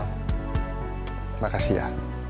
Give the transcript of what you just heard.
terima kasih ya